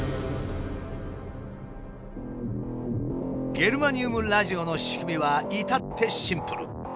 ゲルマニウムラジオの仕組みは至ってシンプル。